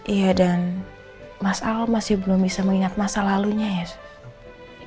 iya dan mas al masih belum bisa mengingat masa lalunya ya